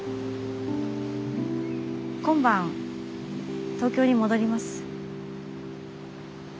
今晩東京に戻ります。